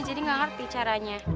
jadi gak ngerti caranya